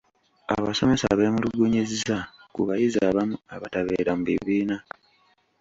Abasomesa beemulugunyizza ku bayizi abamu abatabeera mu bibiina.